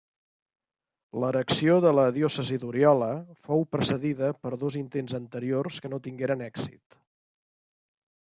L'erecció de la diòcesi d'Oriola fou precedida per dos intents anteriors que no tingueren èxit.